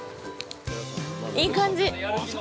◆いい感じ。